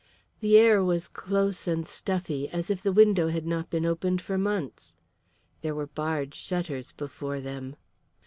The air was close and stuffy, as if the window had not been opened for months. There were barred shutters before them.